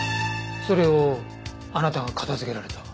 それをあなたが片付けられた？